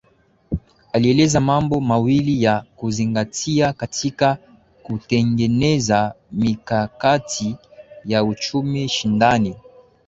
Alieleza mambo mawili ya kuzingatia katika kutengeneza mikakati ya uchumi shindani